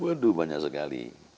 waduh banyak sekali